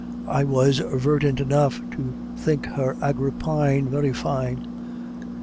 I was verdant enough to think her Agrippine very fine. But M.